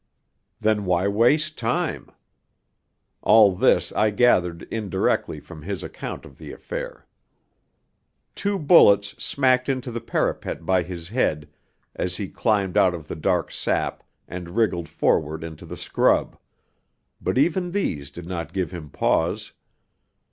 Then why waste time? (All this I gathered indirectly from his account of the affair.) Two bullets smacked into the parapet by his head as he climbed out of the dark sap and wriggled forward into the scrub; but even these did not give him pause.